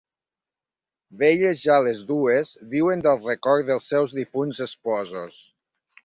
Velles ja les dues, viuen del record dels seus difunts esposos.